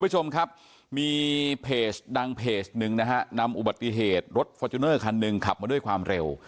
คุณผู้ชมครับมีเพจดังเพจหนึ่งนะฮะนำอุบัติเหตุรถฟอร์จูเนอร์คันหนึ่งขับมาด้วยความเร็ว